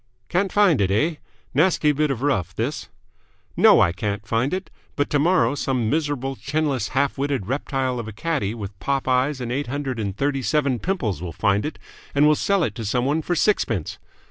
"Can't find it, eh? Nasty bit of rough, this!" "No, I can't find it. But tomorrow some miserable, chinless, half witted reptile of a caddie with pop eyes and eight hundred and thirty seven pimples will find it, and will sell it to someone for sixpence!